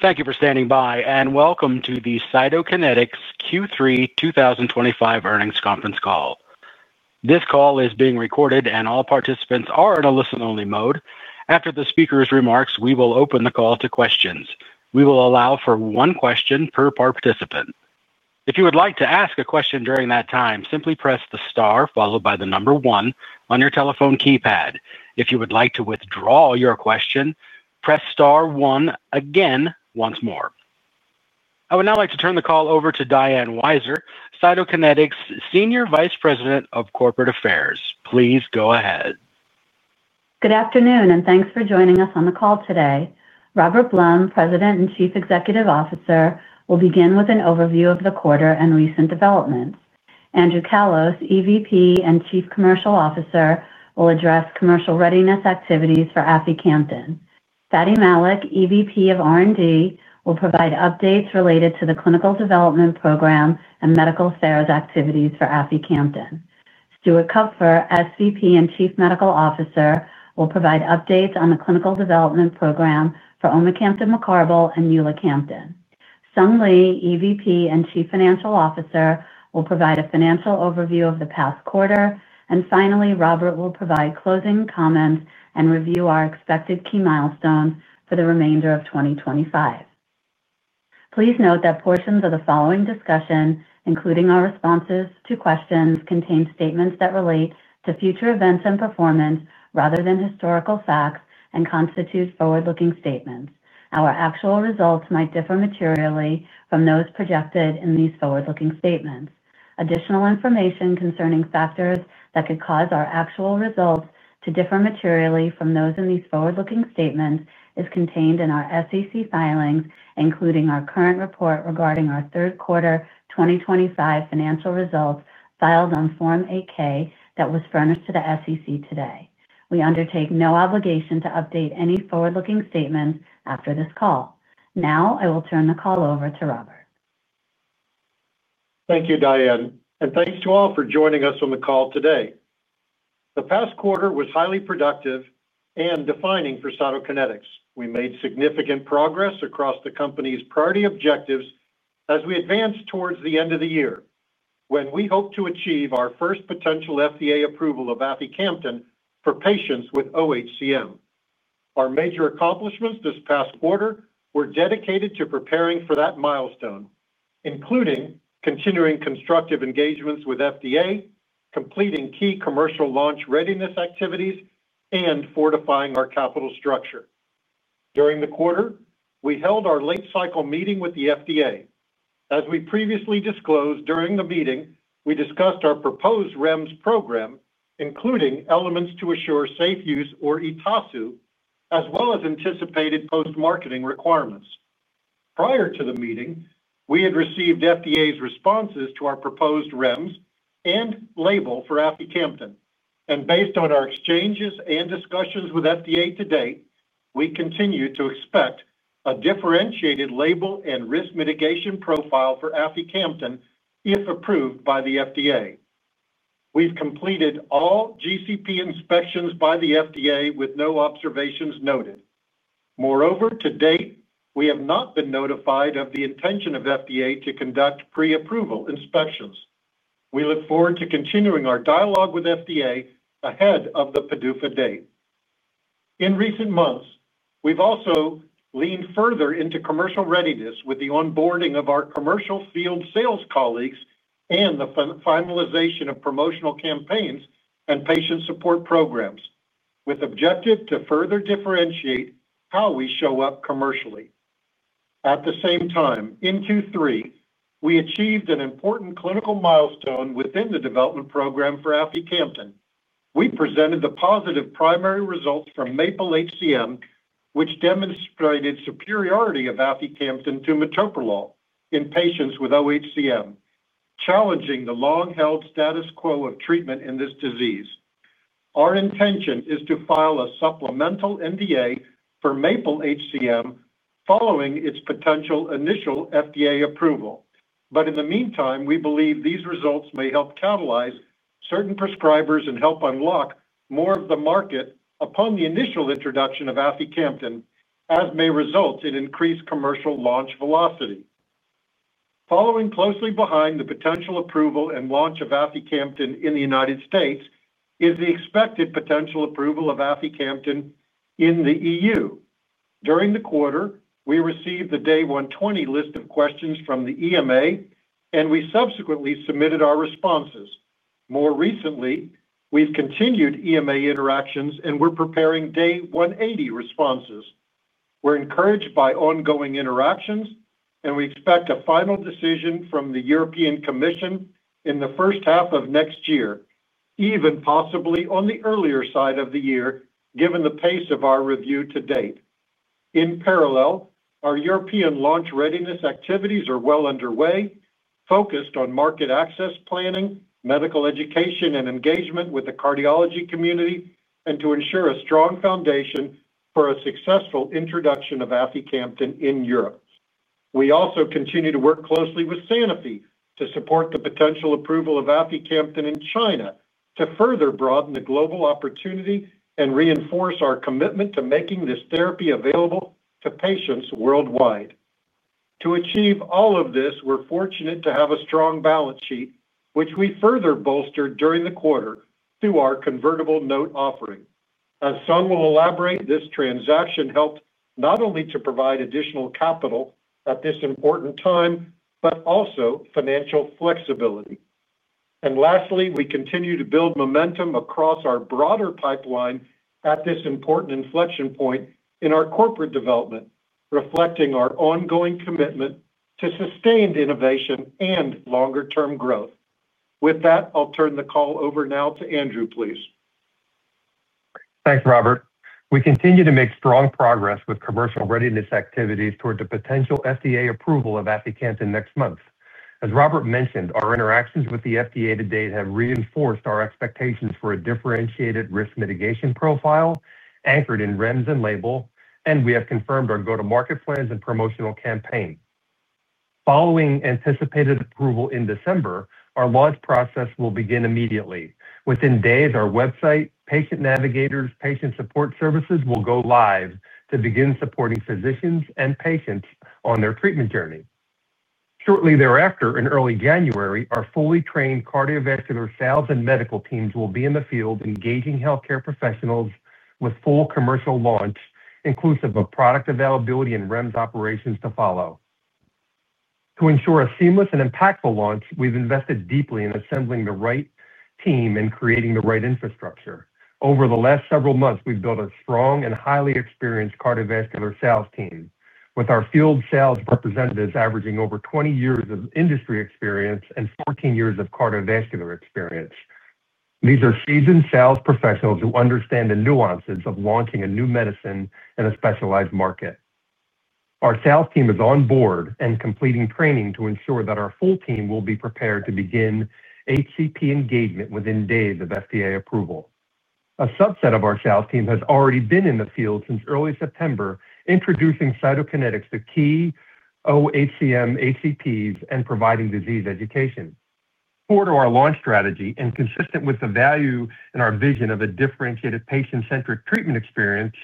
Thank you for standing by, and welcome to the Cytokinetics Q3 2025 Earnings Conference Call. This call is being recorded, and all participants are in a listen-only mode. After the speaker's remarks, we will open the call to questions. We will allow for one question per participant. If you would like to ask a question during that time, simply press the star followed by the number one on your telephone keypad. If you would like to withdraw your question, press star one again once more. I would now like to turn the call over to Diane Weiser, Cytokinetics Senior Vice President of Corporate Affairs. Please go ahead. Good afternoon, and thanks for joining us on the call today. Robert Blum, President and Chief Executive Officer, will begin with an overview of the quarter and recent developments. Andrew Callos, EVP and Chief Commercial Officer, will address commercial readiness activities for aficamten. Fady Malik, EVP of R&D, will provide updates related to the clinical development program and medical affairs activities for aficamten. Stuart Kupfer, SVP and Chief Medical Officer, will provide updates on the clinical development program for omecamtiv mecarbil and ulecanten. Sung Lee, EVP and Chief Financial Officer, will provide a financial overview of the past quarter. Finally, Robert will provide closing comments and review our expected key milestones for the remainder of 2025. Please note that portions of the following discussion, including our responses to questions, contain statements that relate to future events and performance rather than historical facts and constitute forward-looking statements. Our actual results might differ materially from those projected in these forward-looking statements. Additional information concerning factors that could cause our actual results to differ materially from those in these forward-looking statements is contained in our SEC filings, including our current report regarding our third quarter 2025 financial results filed on Form 8-K that was furnished to the SEC today. We undertake no obligation to update any forward-looking statements after this call. Now, I will turn the call over to Robert. Thank you, Diane, and thanks to all for joining us on the call today. The past quarter was highly productive and defining for Cytokinetics. We made significant progress across the company's priority objectives as we advanced towards the end of the year, when we hoped to achieve our first potential FDA approval of aficamten for patients with OHCM. Our major accomplishments this past quarter were dedicated to preparing for that milestone, including continuing constructive engagements with FDA, completing key commercial launch readiness activities, and fortifying our capital structure. During the quarter, we held our late-cycle meeting with the FDA. As we previously disclosed during the meeting, we discussed our proposed REMS program, including elements to assure safe use, or ETASU, as well as anticipated post-marketing requirements. Prior to the meeting, we had received FDA's responses to our proposed REMS and label for aficamten. Based on our exchanges and discussions with FDA to date, we continue to expect a differentiated label and risk mitigation profile for aficamten if approved by the FDA. We've completed all GCP inspections by the FDA with no observations noted. Moreover, to date, we have not been notified of the intention of FDA to conduct pre-approval inspections. We look forward to continuing our dialogue with FDA ahead of the PDUFA date. In recent months, we've also leaned further into commercial readiness with the onboarding of our commercial field sales colleagues and the finalization of promotional campaigns and patient support programs, with the objective to further differentiate how we show up commercially. At the same time, in Q3, we achieved an important clinical milestone within the development program for aficamten. We presented the positive primary results from MAPLE-HCM, which demonstrated superiority of aficamten to metoprolol in patients with OHCM, challenging the long-held status quo of treatment in this disease. Our intention is to file a supplemental NDA for MAPLE-HCM following its potential initial FDA approval. In the meantime, we believe these results may help catalyze certain prescribers and help unlock more of the market upon the initial introduction of aficamten, as may result in increased commercial launch velocity. Following closely behind the potential approval and launch of aficamten in the United States is the expected potential approval of aficamten in the EU. During the quarter, we received the Day 120 list of questions from the EMA, and we subsequently submitted our responses. More recently, we've continued EMA interactions and we're preparing Day 180 responses. We're encouraged by ongoing interactions, and we expect a final decision from the European Commission in the first half of next year, even possibly on the earlier side of the year given the pace of our review to date. In parallel, our European launch readiness activities are well underway, focused on market access planning, medical education, and engagement with the cardiology community, and to ensure a strong foundation for a successful introduction of aficamten in Europe. We also continue to work closely with Sanofi to support the potential approval of aficamten in China to further broaden the global opportunity and reinforce our commitment to making this therapy available to patients worldwide. To achieve all of this, we're fortunate to have a strong balance sheet, which we further bolstered during the quarter through our convertible note offering. As Sung will elaborate, this transaction helped not only to provide additional capital at this important time, but also financial flexibility. Lastly, we continue to build momentum across our broader pipeline at this important inflection point in our corporate development, reflecting our ongoing commitment to sustained innovation and longer-term growth. With that, I'll turn the call over now to Andrew. Please. Thanks, Robert. We continue to make strong progress with commercial readiness activities toward the potential FDA approval of aficamten next month. As Robert mentioned, our interactions with the FDA to date have reinforced our expectations for a differentiated risk mitigation profile anchored in REMS and label, and we have confirmed our go-to-market plans and promotional campaign. Following anticipated approval in December, our launch process will begin immediately. Within days, our website, Patient Navigators, Patient Support Services will go live to begin supporting physicians and patients on their treatment journey. Shortly thereafter, in early January, our fully trained cardiovascular sales and medical teams will be in the field engaging healthcare professionals with full commercial launch, inclusive of product availability and REMS operations to follow. To ensure a seamless and impactful launch, we've invested deeply in assembling the right team and creating the right infrastructure. Over the last several months, we've built a strong and highly experienced cardiovascular sales team, with our field sales representatives averaging over 20 years of industry experience and 14 years of cardiovascular experience. These are seasoned sales professionals who understand the nuances of launching a new medicine in a specialized market. Our sales team is on board and completing training to ensure that our full team will be prepared to begin HCP engagement within days of FDA approval. A subset of our sales team has already been in the field since early September, introducing Cytokinetics to key oHCM HCPs and providing disease education. Core to our launch strategy and consistent with the value and our vision of a differentiated patient-centric treatment experience,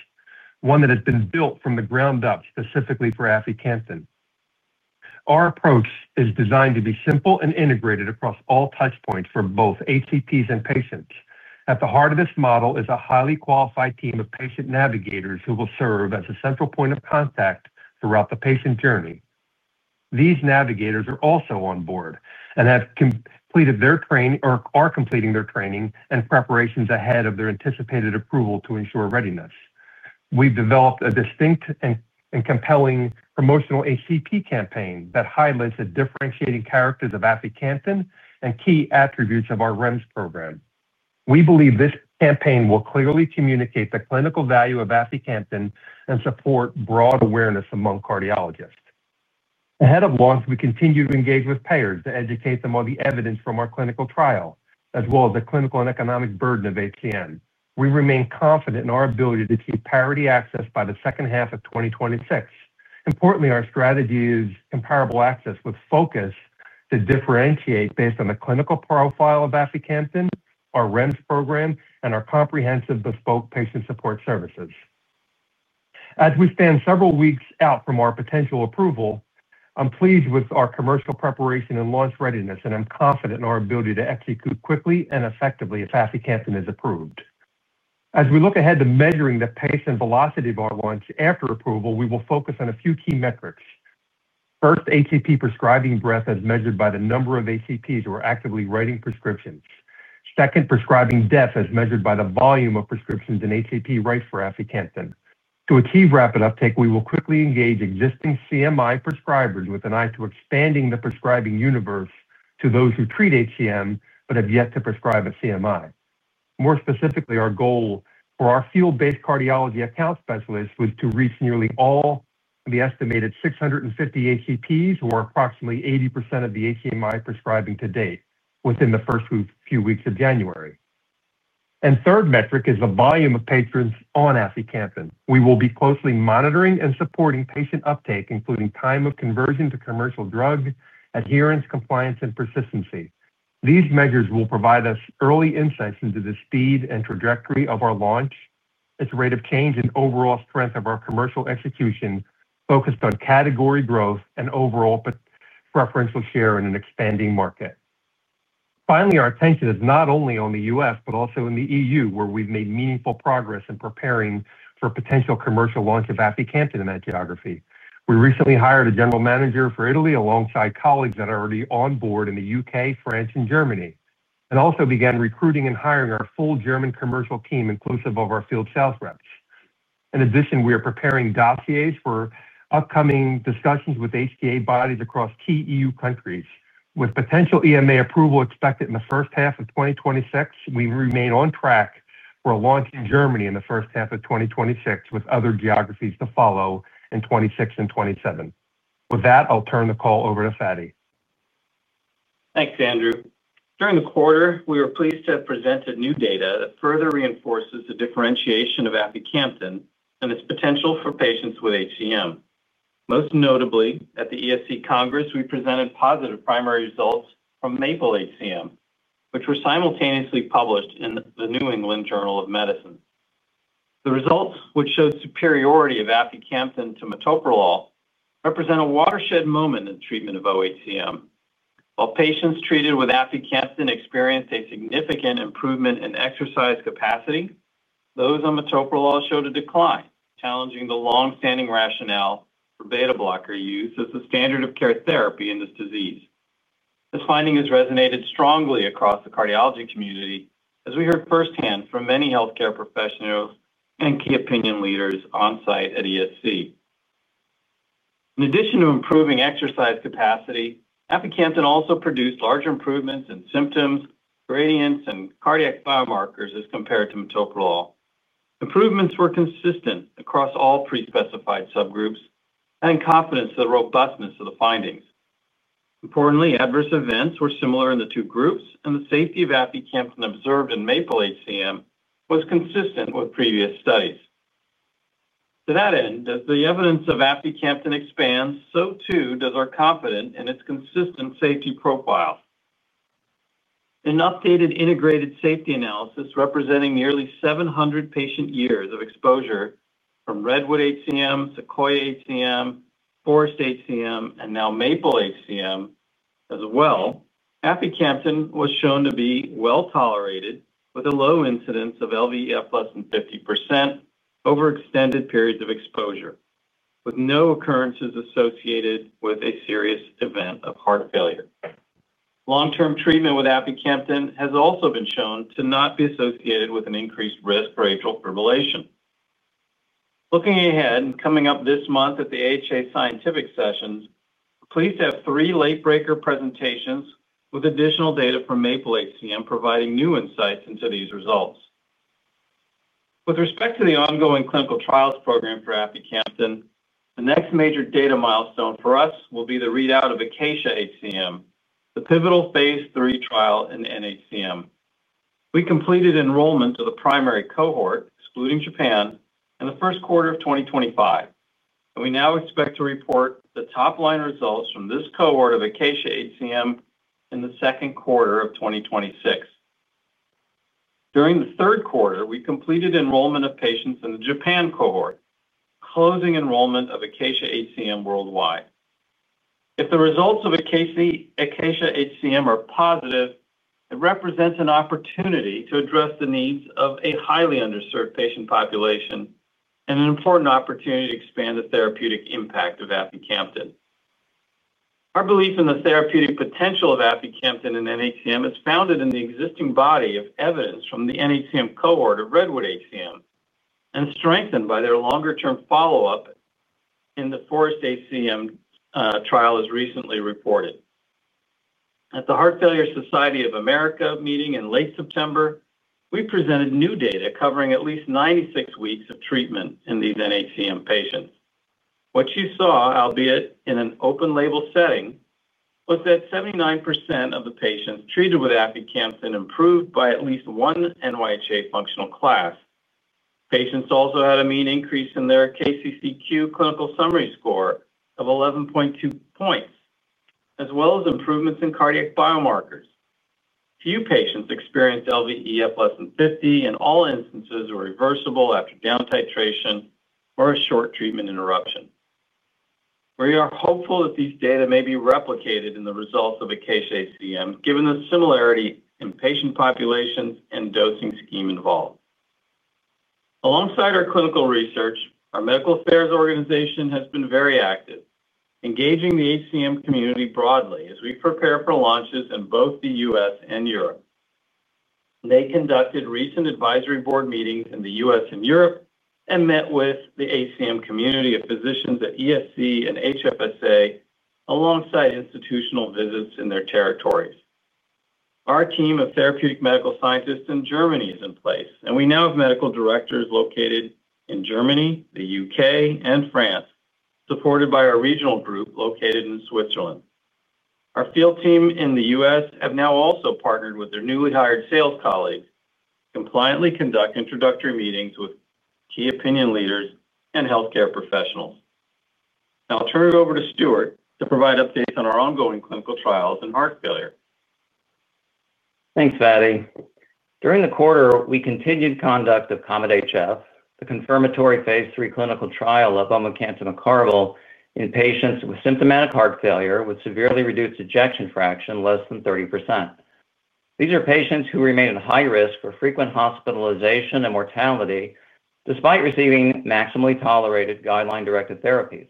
one that has been built from the ground up specifically for aficamten. Our approach is designed to be simple and integrated across all touch points for both HCPs and patients. At the heart of this model is a highly qualified team of Patient Navigators who will serve as a central point of contact throughout the patient journey. These navigators are also on board and have completed their training or are completing their training and preparations ahead of the anticipated approval to ensure readiness. We've developed a distinct and compelling promotional HCP campaign that highlights the differentiating characteristics of aficamten and key attributes of our REMS program. We believe this campaign will clearly communicate the clinical value of aficamten and support broad awareness among cardiologists. Ahead of launch, we continue to engage with payers to educate them on the evidence from our clinical trial, as well as the clinical and economic burden of HCM. We remain confident in our ability to achieve parity access by the second half of 2026. Importantly, our strategy is comparable access with focus to differentiate based on the clinical profile of aficamten, our REMS program, and our comprehensive bespoke patient support services. As we stand several weeks out from our potential approval, I'm pleased with our commercial preparation and launch readiness, and I'm confident in our ability to execute quickly and effectively if aficamten is approved. As we look ahead to measuring the pace and velocity of our launch after approval, we will focus on a few key metrics. First, HCP prescribing breadth as measured by the number of HCPs who are actively writing prescriptions. Second, prescribing depth as measured by the volume of prescriptions an HCP writes for aficamten. To achieve rapid uptake, we will quickly engage existing CMI prescribers with an eye to expanding the prescribing universe to those who treat HCM but have yet to prescribe a CMI. More specifically, our goal for our field-based cardiology account specialists was to reach nearly all of the estimated 650 HCPs, or approximately 80% of the CMI prescribing to date, within the first few weeks of January. The third metric is the volume of patients on aficamten. We will be closely monitoring and supporting patient uptake, including time of conversion to commercial drug, adherence, compliance, and persistency. These measures will provide us early insights into the speed and trajectory of our launch, its rate of change, and overall strength of our commercial execution, focused on category growth and overall preferential share in an expanding market. Finally, our attention is not only on the U.S., but also in the EU, where we've made meaningful progress in preparing for potential commercial launch of aficamten in that geography. We recently hired a general manager for Italy alongside colleagues that are already on board in the U.K., France, and Germany, and also began recruiting and hiring our full German commercial team, inclusive of our field sales reps. In addition, we are preparing dossiers for upcoming discussions with HCA bodies across key EU countries. With potential EMA approval expected in the first half of 2026, we remain on track for a launch in Germany in the first half of 2026, with other geographies to follow in 2026 and 2027. With that, I'll turn the call over to Fady. Thanks, Andrew. During the quarter, we were pleased to present new data that further reinforces the differentiation of aficamten and its potential for patients with HCM. Most notably, at the ESC Congress, we presented positive primary results from MAPLE-HCM, which were simultaneously published in the New England Journal of Medicine. The results, which showed superiority of aficamten to metoprolol, represent a watershed moment in the treatment of OHCM. While patients treated with aficamten experienced a significant improvement in exercise capacity, those on metoprolol showed a decline, challenging the longstanding rationale for beta-blocker use as the standard of care therapy in this disease. This finding has resonated strongly across the cardiology community, as we heard firsthand from many healthcare professionals and key opinion leaders on site at ESC. In addition to improving exercise capacity, aficamten also produced larger improvements in symptoms, gradients, and cardiac biomarkers as compared to metoprolol. Improvements were consistent across all prespecified subgroups and confidence in the robustness of the findings. Importantly, adverse events were similar in the two groups, and the safety of aficamten observed in MAPLE-HCM was consistent with previous studies. To that end, as the evidence of aficamten expands, so too does our confidence in its consistent safety profile. An updated integrated safety analysis representing nearly 700 patient years of exposure from REDWOOD-HCM, SEQUOIA-HCM, FOREST-HCM, and now MAPLE-HCM as well, aficamten was shown to be well tolerated with a low incidence of LVEF less than 50% over extended periods of exposure, with no occurrences associated with a serious event of heart failure. Long-term treatment with aficamten has also been shown to not be associated with an increased risk for atrial fibrillation. Looking ahead and coming up this month at the AHA scientific sessions, we're pleased to have three late-breaker presentations with additional data from MAPLE-HCM providing new insights into these results. With respect to the ongoing clinical trials program for aficamten, the next major data milestone for us will be the readout of ACACIA-HCM, the pivotal phase III trial in nHCM. We completed enrollment to the primary cohort, excluding Japan, in the first quarter of 2025, and we now expect to report the top-line results from this cohort of ACACIA-HCM in the second quarter of 2026. During the third quarter, we completed enrollment of patients in the Japan cohort, closing enrollment of ACACIA-HCM worldwide. If the results of ACACIA-HCM are positive, it represents an opportunity to address the needs of a highly underserved patient population. It is an important opportunity to expand the therapeutic impact of aficamten. Our belief in the therapeutic potential of aficamten in nHCM is founded in the existing body of evidence from the nHCM cohort of REDWOOD-HCM and strengthened by their longer-term follow-up in the FOREST-HCM trial as recently reported. At the Heart Failure Society of America meeting in late September, we presented new data covering at least 96 weeks of treatment in these nHCM patients. What you saw, albeit in an open-label setting, was that 79% of the patients treated with aficamten improved by at least one NYHA functional class. Patients also had a mean increase in their KCCQ Clinical Summary Score of 11.2 points, as well as improvements in cardiac biomarkers. Few patients experienced LVEF less than 50 in all instances or reversible after down titration or a short treatment interruption. We are hopeful that these data may be replicated in the results of ACACIA-HCM, given the similarity in patient populations and dosing scheme involved. Alongside our clinical research, our medical affairs organization has been very active, engaging the HCM community broadly as we prepare for launches in both the U.S. and Europe. They conducted recent advisory board meetings in the U.S. and Europe and met with the HCM community of physicians at ESC and HFSA alongside institutional visits in their territories. Our team of therapeutic medical scientists in Germany is in place, and we now have medical directors located in Germany, the U.K., and France, supported by our regional group located in Switzerland. Our field team in the U.S. has now also partnered with their newly hired sales colleagues to compliantly conduct introductory meetings with key opinion leaders and healthcare professionals. Now I'll turn it over to Stuart to provide updates on our ongoing clinical trials in heart failure. Thanks, Fady. During the quarter, we continued conduct of COMET-HF, the confirmatory phase III clinical trial of omecamtiv mecarbil in patients with symptomatic heart failure with severely reduced ejection fraction less than 30%. These are patients who remain at high risk for frequent hospitalization and mortality despite receiving maximally tolerated guideline-directed therapies.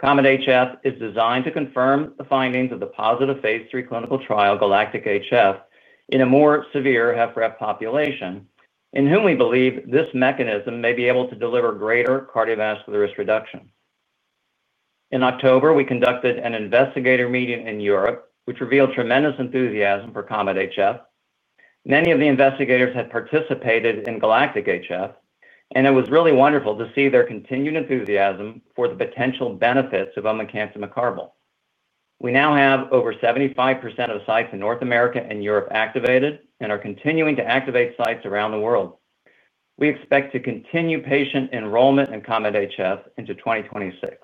COMET-HF is designed to confirm the findings of the positive phase III clinical trial GALACTIC-HF in a more severe HFrEF population, in whom we believe this mechanism may be able to deliver greater cardiovascular risk reduction. In October, we conducted an investigator meeting in Europe, which revealed tremendous enthusiasm for COMET-HF. Many of the investigators had participated in GALACTIC-HF, and it was really wonderful to see their continued enthusiasm for the potential benefits of omecamtiv mecarbil. We now have over 75% of sites in North America and Europe activated and are continuing to activate sites around the world. We expect to continue patient enrollment in COMET-HF into 2026.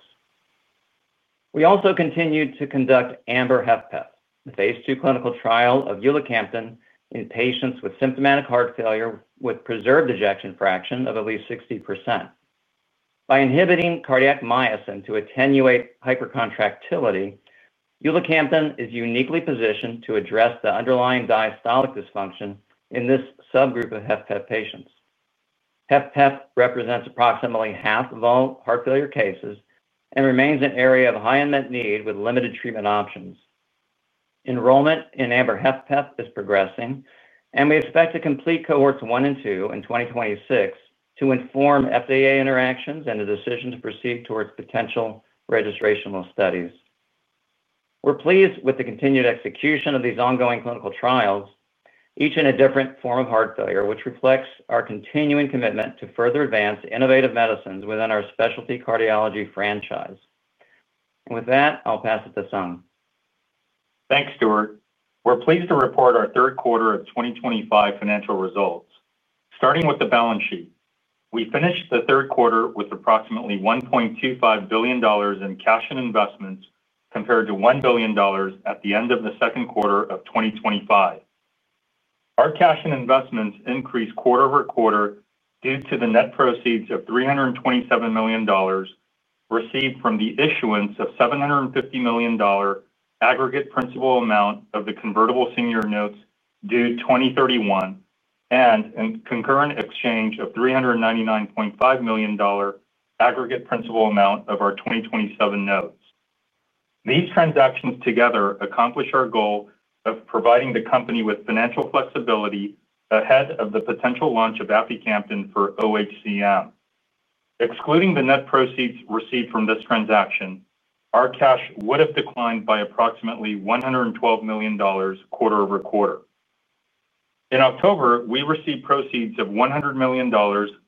We also continued to conduct AMBER-HFpEF, the phase II clinical trial of Uteronil in patients with symptomatic heart failure with preserved ejection fraction of at least 60%. By inhibiting cardiac myosin to attenuate hypercontractility, ulacamten is uniquely positioned to address the underlying diastolic dysfunction in this subgroup of HFpEF patients. HFpEF represents approximately half of all heart failure cases and remains an area of high unmet need with limited treatment options. Enrollment in AMBER-HFpEF is progressing, and we expect to complete cohorts one and two in 2026 to inform FDA interactions and the decision to proceed towards potential registrational studies. We're pleased with the continued execution of these ongoing clinical trials, each in a different form of heart failure, which reflects our continuing commitment to further advance innovative medicines within our specialty cardiology franchise. With that, I'll pass it to Sung. Thanks, Stuart. We're pleased to report our third quarter of 2025 financial results. Starting with the balance sheet, we finished the third quarter with approximately $1.25 billion in cash and investments compared to $1 billion at the end of the second quarter of 2025. Our cash and investments increased quarter-over-quarter due to the net proceeds of $327 million received from the issuance of $750 million aggregate principal amount of the convertible senior notes due 2031 and a concurrent exchange of $399.5 million aggregate principal amount of our 2027 notes. These transactions together accomplish our goal of providing the company with financial flexibility ahead of the potential launch of aficamten for OHCM. Excluding the net proceeds received from this transaction, our cash would have declined by approximately $112 million quarter-over-quarter. In October, we received proceeds of $100 million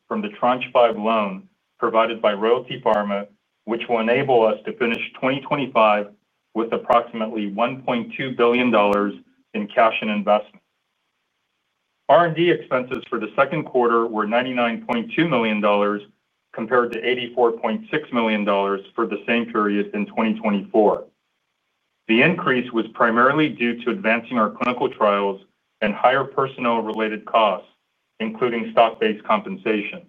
from the Tranche 5 loan provided by Royalty Pharma, which will enable us to finish 2025 with approximately $1.2 billion in cash and investment. R&D expenses for the second quarter were $99.2 million, compared to $84.6 million for the same period in 2024. The increase was primarily due to advancing our clinical trials and higher personnel-related costs, including stock-based compensation.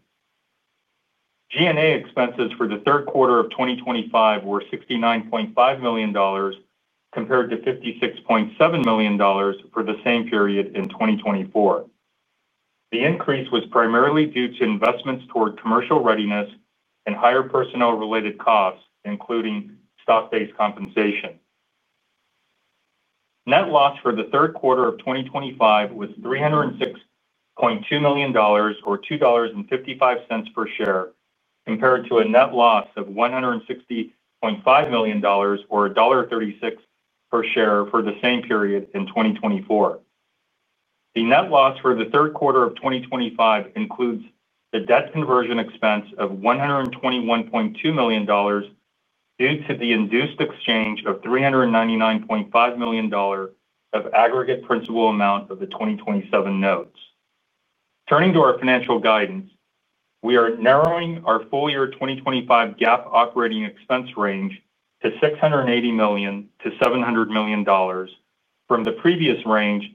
G&A expenses for the third quarter of 2025 were $69.5 million, compared to $56.7 million for the same period in 2024. The increase was primarily due to investments toward commercial readiness and higher personnel-related costs, including stock-based compensation. Net loss for the third quarter of 2025 was $306.2 million, or $2.55 per share, compared to a net loss of $160.5 million, or $1.36 per share for the same period in 2024. The net loss for the third quarter of 2025 includes the debt conversion expense of $121.2 million due to the induced exchange of $399.5 million of aggregate principal amount of the 2027 notes. Turning to our financial guidance, we are narrowing our full year 2025 GAAP operating expense range to $680 million-$700 million from the previous range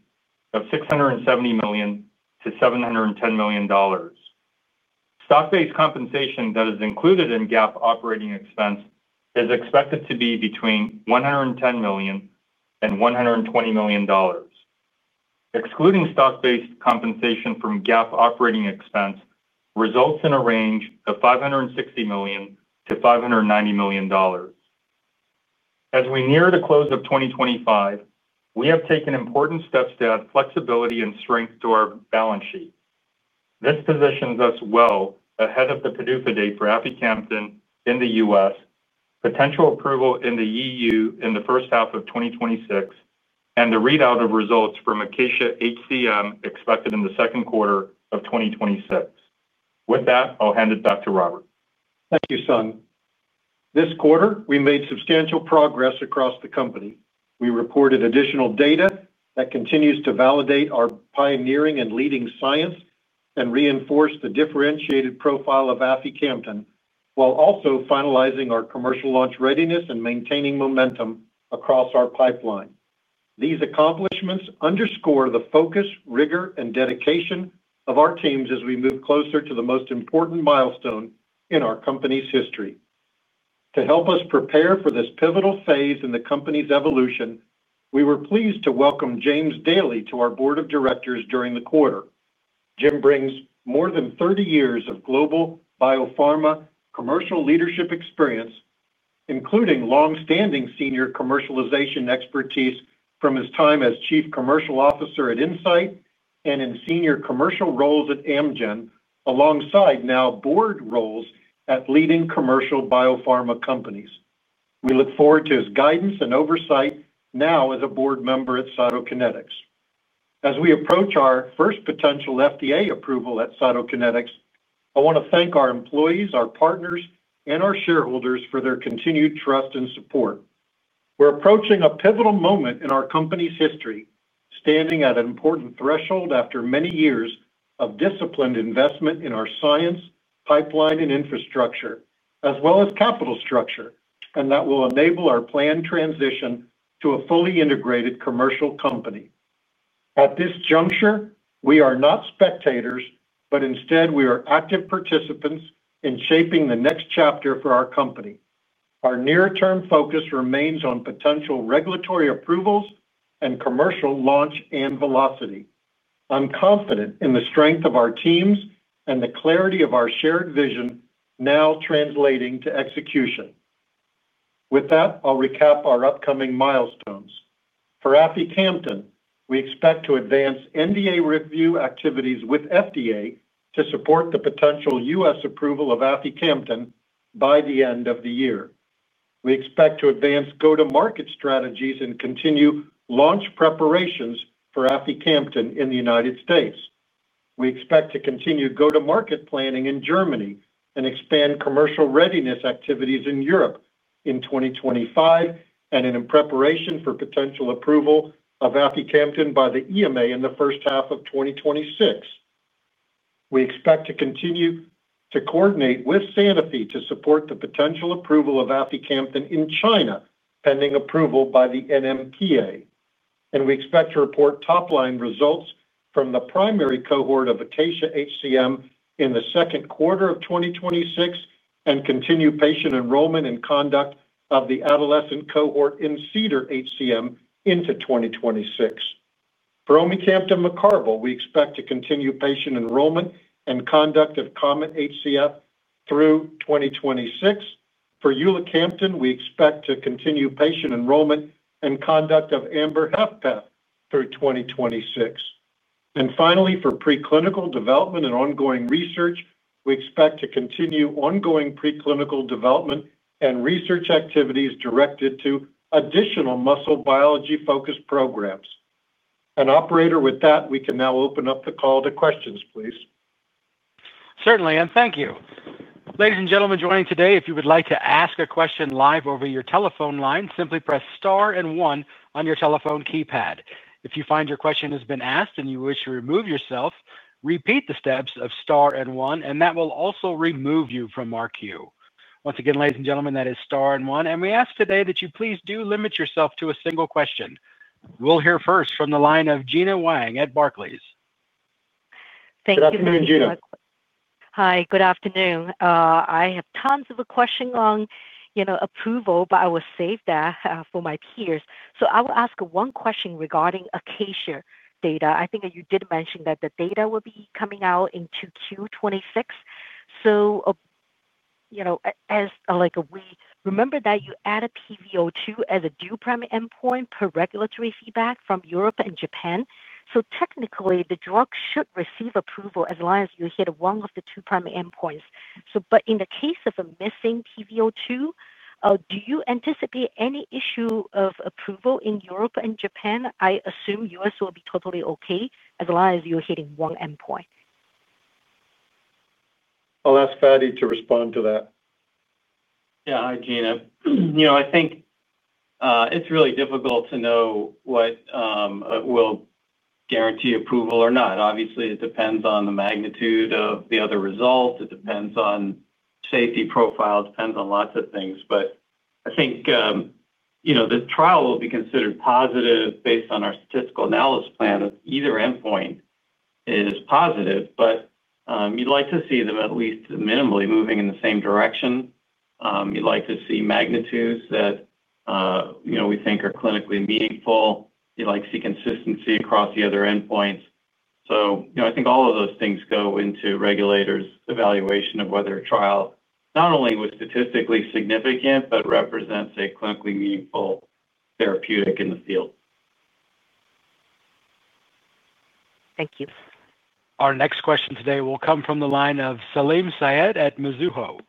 of $670 million-$710 million. Stock-based compensation that is included in GAAP operating expense is expected to be between $110 million and $120 million. Excluding stock-based compensation from GAAP operating expense results in a range of $560 million-$590 million. As we near the close of 2025, we have taken important steps to add flexibility and strength to our balance sheet. This positions us well ahead of the PDUFA date for aficamten in the U.S., potential approval in the EU in the first half of 2026, and the readout of results from ACACIA-HCM expected in the second quarter of 2026. With that, I'll hand it back to Robert. Thank you, Sung. This quarter, we made substantial progress across the company. We reported additional data that continues to validate our pioneering and leading science and reinforce the differentiated profile of aficamten while also finalizing our commercial launch readiness and maintaining momentum across our pipeline. These accomplishments underscore the focus, rigor, and dedication of our teams as we move closer to the most important milestone in our company's history. To help us prepare for this pivotal phase in the company's evolution, we were pleased to welcome James Daly to our Board of Directors during the quarter. Jim brings more than 30 years of global biopharma commercial leadership experience, including longstanding senior commercialization expertise from his time as Chief Commercial Officer at Incyte and in senior commercial roles at Amgen, alongside now board roles at leading commercial biopharma companies. We look forward to his guidance and oversight now as a board member at Cytokinetics. As we approach our first potential FDA approval at Cytokinetics, I want to thank our employees, our partners, and our shareholders for their continued trust and support. We're approaching a pivotal moment in our company's history, standing at an important threshold after many years of disciplined investment in our science, pipeline, and infrastructure, as well as capital structure, and that will enable our planned transition to a fully integrated commercial company. At this juncture, we are not spectators, but instead, we are active participants in shaping the next chapter for our company. Our near-term focus remains on potential regulatory approvals and commercial launch and velocity. I'm confident in the strength of our teams and the clarity of our shared vision now translating to execution. With that, I'll recap our upcoming milestones. For aficamten, we expect to advance NDA review activities with FDA to support the potential U.S. approval of aficamten by the end of the year. We expect to advance go-to-market strategies and continue launch preparations for aficamten in the United States. We expect to continue go-to-market planning in Germany and expand commercial readiness activities in Europe in 2025 and in preparation for potential approval of aficamten by the EMA in the first half of 2026. We expect to continue to coordinate with Sanofi to support the potential approval of aficamten in China, pending approval by the NMPA. We expect to report top-line results from the primary cohort of ACACIA-HCM in the second quarter of 2026 and continue patient enrollment and conduct of the adolescent cohort in CEDAR-HCM into 2026. For omecamtiv mecarbil, we expect to continue patient enrollment and conduct of COMET-HF through 2026. For ulacamten, we expect to continue patient enrollment and conduct of AMBER-HFpEF through 2026. For preclinical development and ongoing research, we expect to continue ongoing preclinical development and research activities directed to additional muscle biology-focused programs. Operator, with that, we can now open up the call to questions, please. Certainly, and thank you. Ladies and gentlemen joining today, if you would like to ask a question live over your telephone line, simply press star and one on your telephone keypad. If you find your question has been asked and you wish to remove yourself, repeat the steps of star and one, and that will also remove you from our queue. Once again, ladies and gentlemen, that is star and one. We ask today that you please do limit yourself to a single question. We'll hear first from the line of Gena Wang at Barclays. Thank you. Good afternoon, Gena. Hi, good afternoon. I have tons of a question on approval, but I will save that for my peers. I will ask one question regarding ACACIA data. I think you did mention that the data will be coming out in Q2 2026. As we remember, you added pVO2 as a dual-prime endpoint per regulatory feedback from Europe and Japan. Technically, the drug should receive approval as long as you hit one of the two prime endpoints. In the case of a missing pVO2, do you anticipate any issue of approval in Europe and Japan? I assume U.S. will be totally okay as long as you're hitting one endpoint. I'll ask Fady to respond to that. Yeah, hi, Gena. I think it's really difficult to know what will guarantee approval or not. Obviously, it depends on the magnitude of the other results. It depends on safety profile, it depends on lots of things. I think the trial will be considered positive based on our statistical analysis plan. Either endpoint is positive, but you'd like to see them at least minimally moving in the same direction. You'd like to see magnitudes that we think are clinically meaningful. You'd like to see consistency across the other endpoints. I think all of those things go into regulators' evaluation of whether a trial not only was statistically significant, but represents a clinically meaningful therapeutic in the field. Thank you. Our next question today will come from the line of Salim Syed at Mizuho.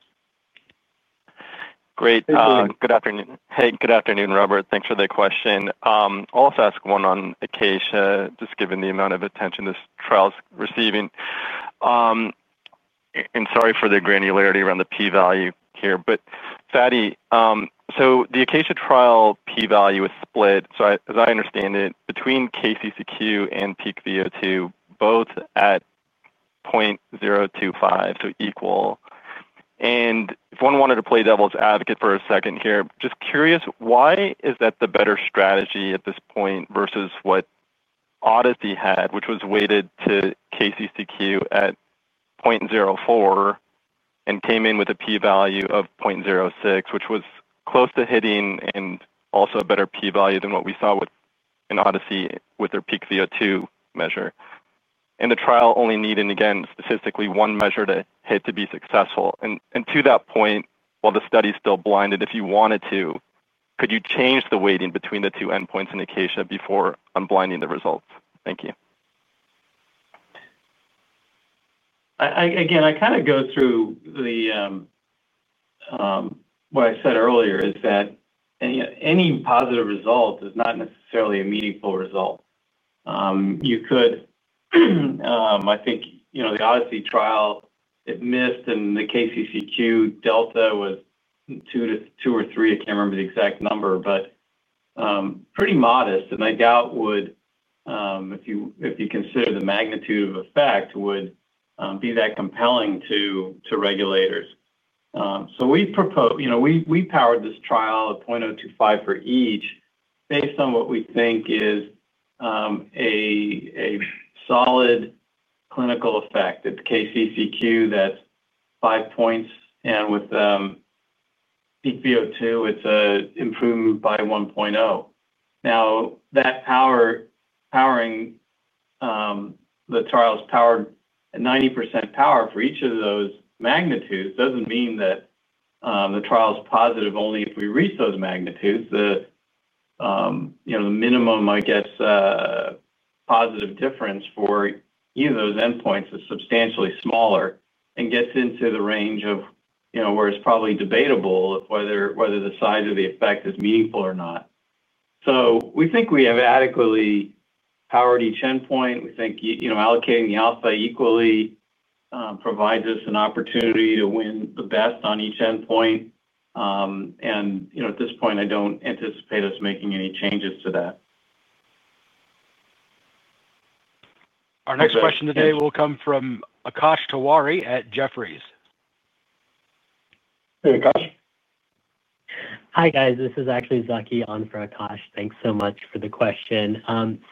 Great. Good afternoon. Hey, good afternoon, Robert. Thanks for the question. I'll also ask one on ACACIA, just given the amount of attention this trial's receiving. Sorry for the granularity around the P-value here. Fady, so the ACACIA trial P-value is split, so as I understand it, between KCCQ and Peak VO2, both at 0.025, so equal. If one wanted to play devil's advocate for a second here, just curious, why is that the better strategy at this point versus what ODYSSEY had, which was weighted to KCCQ at 0.04 and came in with a P-value of 0.06, which was close to hitting and also a better P-value than what we saw with ODYSSEY with their Peak VO2 measure. The trial only needed, again, statistically, one measure to hit to be successful. To that point, while the study is still blinded, if you wanted to, could you change the weighting between the two endpoints in ACACIA before unblinding the results? Thank you. Again, I kind of go through the. What I said earlier is that. Any positive result is not necessarily a meaningful result. You could. I think the ODYSSEY trial that missed and the KCCQ delta was two or three, I cannot remember the exact number, but. Pretty modest. And I doubt would. If you consider the magnitude of effect, would be that compelling to regulators. We powered this trial at 0.025 for each. Based on what we think is. A solid clinical effect. It is KCCQ that is five points, and with. Peak VO2, it is improved by 1.0. Now, that powering. The trial is powered at 90% power for each of those magnitudes does not mean that. The trial is positive only if we reach those magnitudes. The minimum, I guess. Positive difference for either of those endpoints is substantially smaller and gets into the range of where it's probably debatable whether the size of the effect is meaningful or not. We think we have adequately powered each endpoint. We think allocating the alpha equally provides us an opportunity to win the best on each endpoint. At this point, I don't anticipate us making any changes to that. Our next question today will come from Akash Tewari at Jefferies. Hey, Akash. Hi guys, this is actually Zaki Molvi for Akash. Thanks so much for the question.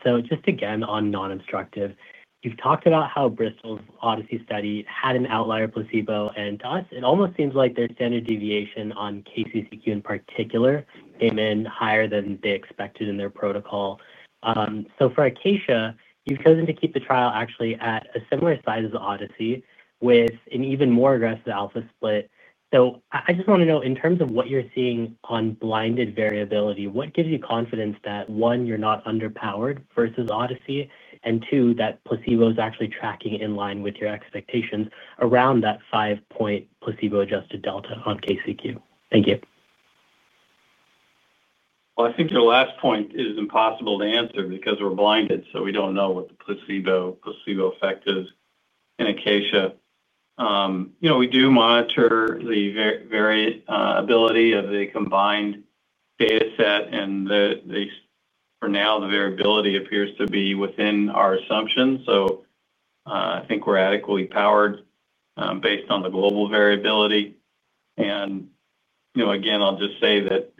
Just again on non-obstructive, you've talked about how Bristol's ODYSSEY study had an outlier placebo. To us, it almost seems like their standard deviation on KCCQ in particular came in higher than they expected in their protocol. For ACACIA, you've chosen to keep the trial actually at a similar size as ODYSSEY with an even more aggressive alpha split. I just want to know, in terms of what you're seeing on blinded variability, what gives you confidence that, one, you're not underpowered versus ODYSSEY, and two, that placebo is actually tracking in line with your expectations around that five-point placebo-adjusted delta on KCCQ? Thank you. I think your last point is impossible to answer because we're blinded, so we don't know what the placebo effect is in ACACIA. We do monitor the variability of the combined data set, and for now, the variability appears to be within our assumptions. I think we're adequately powered based on the global variability. Again, I'll just say that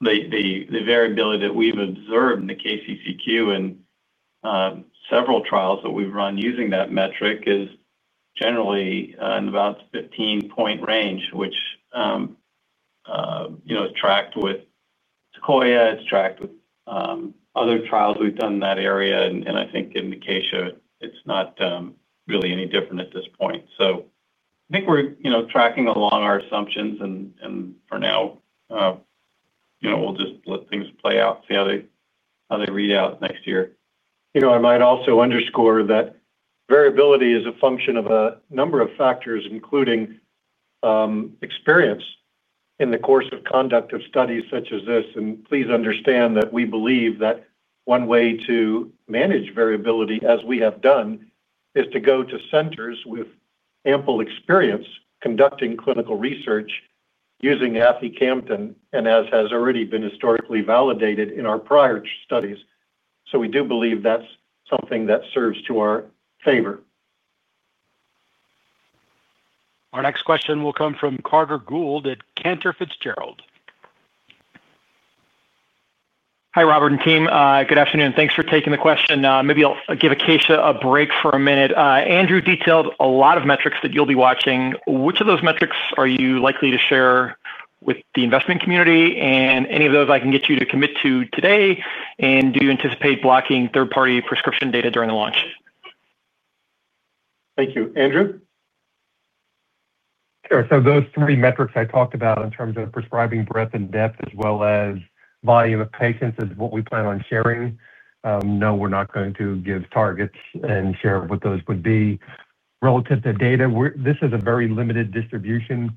the variability that we've observed in the KCCQ and several trials that we've run using that metric is generally in about the 15-point range, which is tracked with SEQUOIA, it's tracked with other trials we've done in that area. I think in ACACIA, it's not really any different at this point. I think we're tracking along our assumptions, and for now, we'll just let things play out, see how they read out next year. I might also underscore that variability is a function of a number of factors, including experience in the course of conduct of studies such as this. Please understand that we believe that one way to manage variability, as we have done, is to go to centers with ample experience conducting clinical research using aficamten, as has already been historically validated in our prior studies. We do believe that is something that serves to our favor. Our next question will come from Carter Gould at Cantor Fitzgerald. Hi, Robert and team. Good afternoon. Thanks for taking the question. Maybe I'll give ACACIA a break for a minute. Andrew detailed a lot of metrics that you'll be watching. Which of those metrics are you likely to share with the investment community? Any of those I can get you to commit to today? Do you anticipate blocking third-party prescription data during the launch? Thank you. Andrew? Sure. So those three metrics I talked about in terms of prescribing breadth and depth, as well as volume of patients, is what we plan on sharing. No, we're not going to give targets and share what those would be. Relative to data, this is a very limited distribution.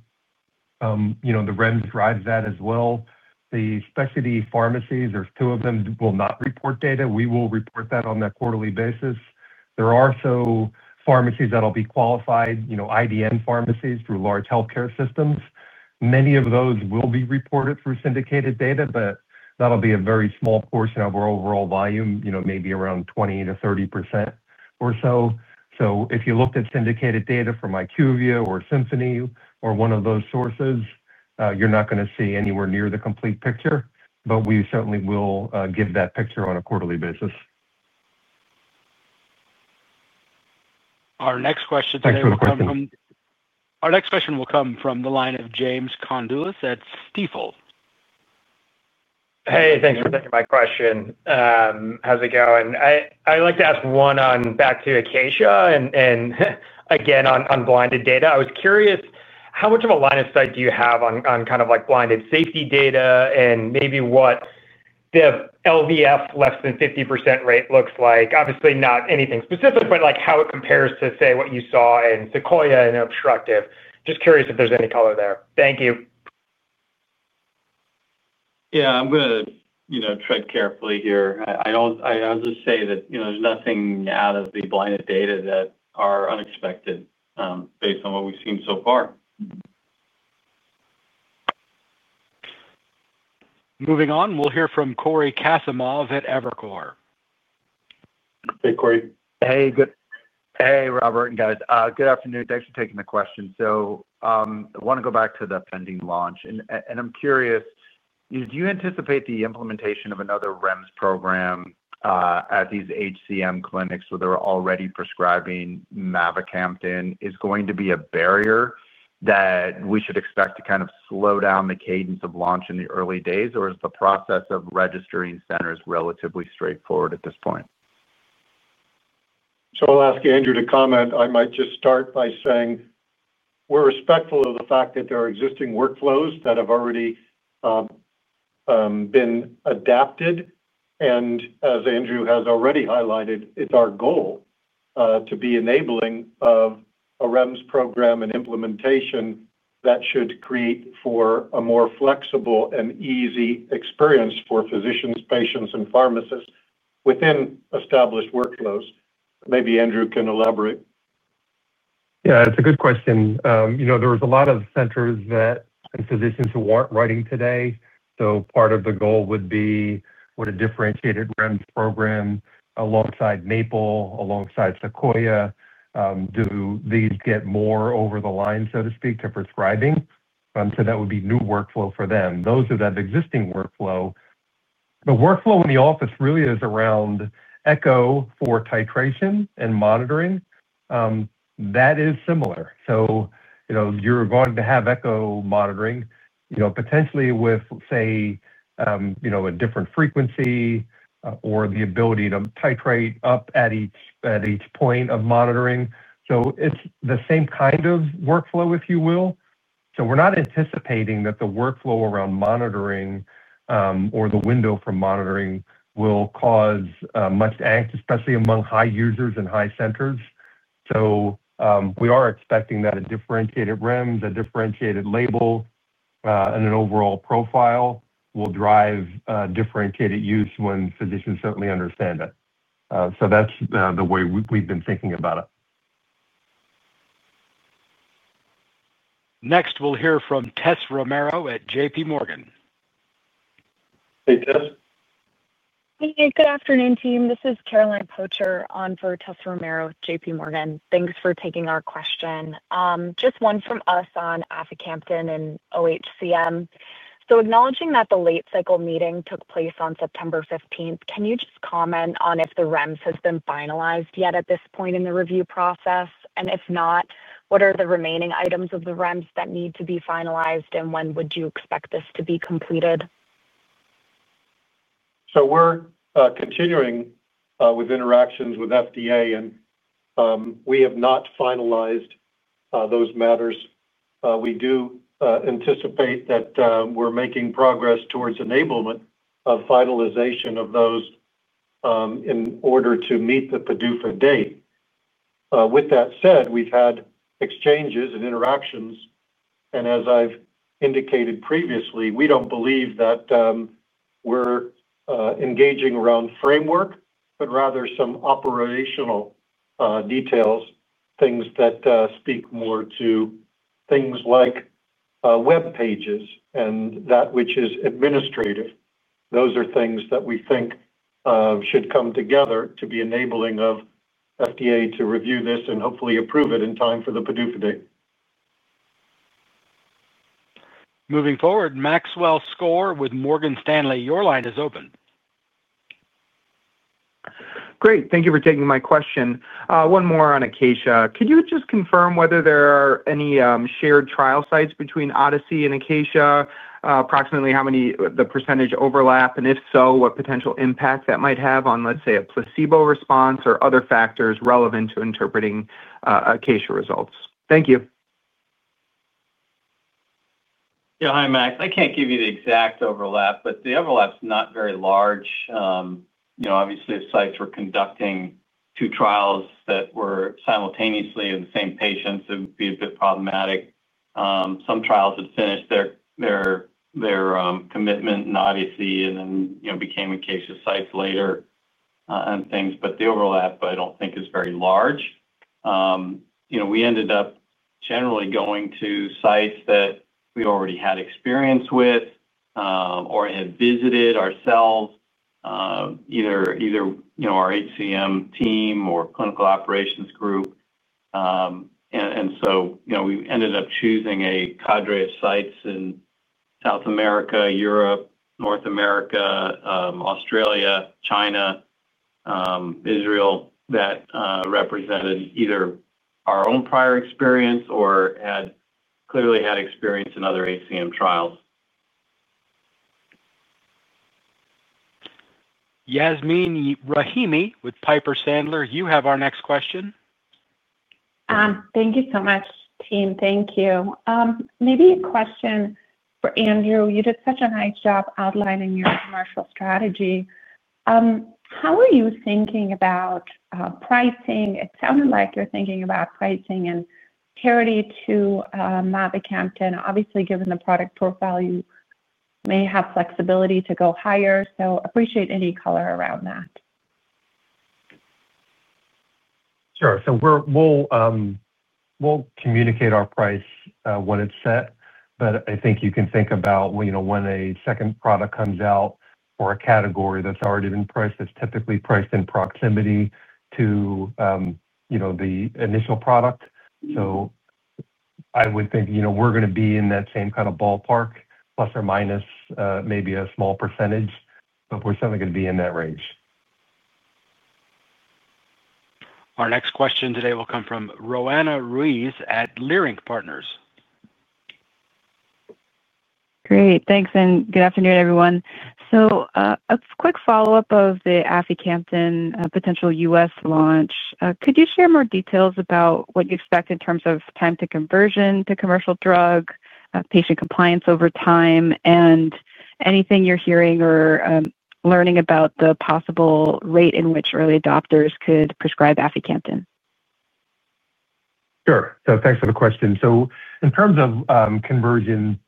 The REMS drives that as well. The specialty pharmacies, there's two of them, will not report data. We will report that on a quarterly basis. There are also pharmacies that will be qualified, IDN pharmacies through large healthcare systems. Many of those will be reported through syndicated data, but that'll be a very small portion of our overall volume, maybe around 20%-30% or so. If you looked at syndicated data from IQVIA or Symphony or one of those sources, you're not going to see anywhere near the complete picture, but we certainly will give that picture on a quarterly basis. Our next question today will come from. Thanks for the question. Our next question will come from the line of James Condulis at Stifel. Hey, thanks for taking my question. How's it going? I'd like to ask one on back to ACACIA and again on blinded data. I was curious, how much of a line of sight do you have on kind of blinded safety data and maybe what the LVEF less than 50% rate looks like? Obviously, not anything specific, but how it compares to, say, what you saw in SEQUOIA and obstructive. Just curious if there's any color there. Thank you. Yeah, I'm going to tread carefully here. I'll just say that there's nothing out of the blinded data that are unexpected based on what we've seen so far. Moving on, we'll hear from Cory Kasimov at Evercore. Hey, Cory. Hey, Robert and guys. Good afternoon. Thanks for taking the question. I want to go back to the pending launch. I'm curious, do you anticipate the implementation of another REMS program at these HCM clinics where they're already prescribing mavacamten is going to be a barrier that we should expect to kind of slow down the cadence of launch in the early days, or is the process of registering centers relatively straightforward at this point? I'll ask Andrew to comment. I might just start by saying we are respectful of the fact that there are existing workflows that have already been adapted. As Andrew has already highlighted, it's our goal to be enabling of a REMS program and implementation that should create for a more flexible and easy experience for physicians, patients, and pharmacists within established workflows. Maybe Andrew can elaborate. Yeah, it's a good question. There's a lot of centers and physicians who aren't writing today. Part of the goal would be what a differentiated REMS program, alongside MAPLE, alongside SEQUOIA, do. These get more over the line, so to speak, to prescribing? That would be new workflow for them. Those who have existing workflow, the workflow in the office really is around echo for titration and monitoring. That is similar. You're going to have echo monitoring, potentially with, say, a different frequency or the ability to titrate up at each point of monitoring. It's the same kind of workflow, if you will. We're not anticipating that the workflow around monitoring or the window for monitoring will cause much angst, especially among high users and high centers. We are expecting that a differentiated REMS, a differentiated label. An overall profile will drive differentiated use when physicians certainly understand it. That is the way we've been thinking about it. Next, we'll hear from Tess Romero at JPMorgan. Hey, Tess. Hey, good afternoon, team. This is Caroline Pocher on for Tess Romero at JPMorgan. Thanks for taking our question. Just one from us on aficamten and OHCM. Acknowledging that the late cycle meeting took place on September 15th, can you just comment on if the REMS has been finalized yet at this point in the review process? If not, what are the remaining items of the REMS that need to be finalized, and when would you expect this to be completed? We're continuing with interactions with FDA, and we have not finalized those matters. We do anticipate that we're making progress towards enablement of finalization of those in order to meet the PDUFA date. With that said, we've had exchanges and interactions. As I've indicated previously, we don't believe that we're engaging around framework, but rather some operational details, things that speak more to things like web pages and that which is administrative. Those are things that we think should come together to be enabling of FDA to review this and hopefully approve it in time for the PDUFA date. Moving forward, Maxwell Skor with Morgan Stanley, your line is open. Great. Thank you for taking my question. One more on ACACIA. Could you just confirm whether there are any shared trial sites between ODYSSEY and ACACIA? Approximately how many, the percentage overlap? If so, what potential impact that might have on, let's say, a placebo response or other factors relevant to interpreting ACACIA results? Thank you. Yeah, hi, Max. I can't give you the exact overlap, but the overlap's not very large. Obviously, if sites were conducting two trials that were simultaneously in the same patients, it would be a bit problematic. Some trials had finished their commitment in ODYSSEY and then became ACACIA sites later. The overlap, I don't think, is very large. We ended up generally going to sites that we already had experience with or had visited ourselves, either our HCM team or clinical operations group. We ended up choosing a cadre of sites in South America, Europe, North America, Australia, China, Israel that represented either our own prior experience or had clearly had experience in other HCM trials. Yasmeen Rahimi with Piper Sandler, you have our next question. Thank you so much, team. Thank you. Maybe a question for Andrew. You did such a nice job outlining your commercial strategy. How are you thinking about pricing? It sounded like you're thinking about pricing and parity to mavacamten. Obviously, given the product profile, you may have flexibility to go higher. Appreciate any color around that. Sure. We'll communicate our price when it's set, but I think you can think about when a second product comes out for a category that's already been priced, that's typically priced in proximity to the initial product. I would think we're going to be in that same kind of ballpark, plus or minus maybe a small percentage, but we're certainly going to be in that range. Our next question today will come from Roanna Ruiz at Leerink Partners. Great. Thanks. Good afternoon, everyone. A quick follow-up of the aficamten potential U.S. launch. Could you share more details about what you expect in terms of time to conversion to commercial drug, patient compliance over time, and anything you're hearing or learning about the possible rate in which early adopters could prescribe aficamten? Sure. So thanks for the question. In terms of conversion,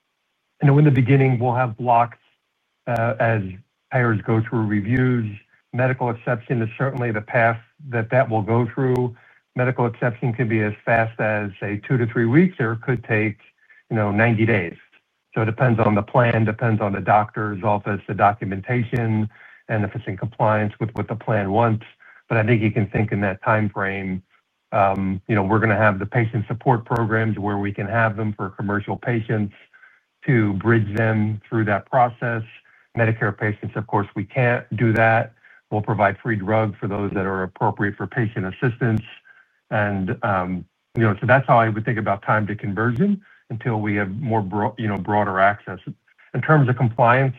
I know in the beginning, we'll have blocks as payers go through reviews. Medical exception is certainly the path that that will go through. Medical exception could be as fast as, say, two to three weeks, or it could take 90 days. It depends on the plan, depends on the doctor's office, the documentation, and if it's in compliance with what the plan wants. I think you can think in that timeframe. We're going to have the patient support programs where we can have them for commercial patients to bridge them through that process. Medicare patients, of course, we can't do that. We'll provide free drugs for those that are appropriate for patient assistance. That's how I would think about time to conversion until we have more broader access. In terms of compliance,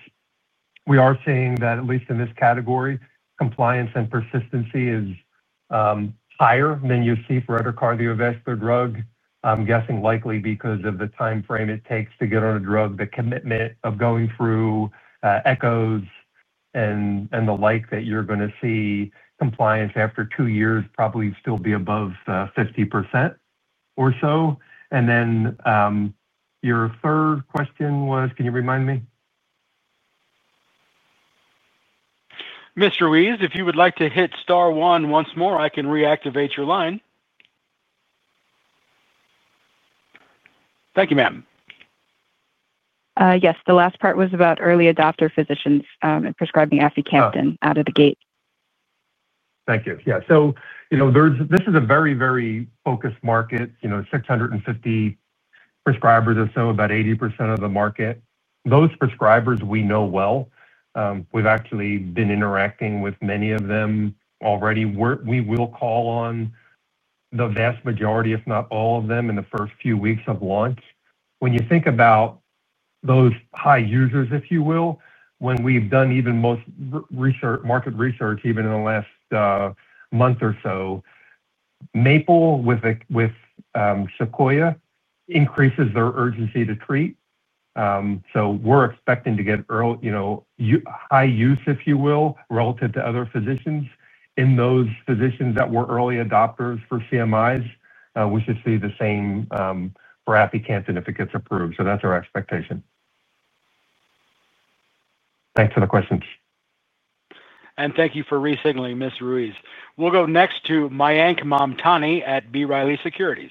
we are seeing that, at least in this category, compliance and persistency is higher than you see for other cardiovascular drug. I'm guessing likely because of the timeframe it takes to get on a drug, the commitment of going through echoes and the like that you're going to see compliance after two years probably still be above 50% or so. Your third question was, can you remind me? Mr. Ruiz, if you would like to hit star one once more, I can reactivate your line. Thank you, ma'am. Yes. The last part was about early adopter physicians and prescribing aficamten out of the gate. Thank you. Yeah. This is a very, very focused market, 650 prescribers or so, about 80% of the market. Those prescribers we know well. We've actually been interacting with many of them already. We will call on the vast majority, if not all of them, in the first few weeks of launch. When you think about those high users, if you will, when we've done even most market research, even in the last month or so, MAPLE with SEQUOIA increases their urgency to treat. We are expecting to get high use, if you will, relative to other physicians. In those physicians that were early adopters for CMIs, we should see the same for aficamten if it gets approved. That is our expectation. Thanks for the questions. Thank you for resignaling, Ms. Ruiz. We'll go next to Mayank Mamtani at B. Riley Securities.